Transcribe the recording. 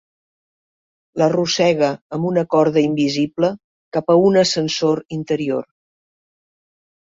L'arrossega amb una corda invisible cap a un ascensor interior.